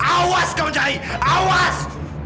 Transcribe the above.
awas kang nyai awas